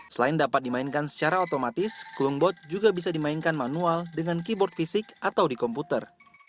selain dapat dimainkan secara otomatis klungboat juga bisa dimainkan manual dengan keyboard fisik atau di komputer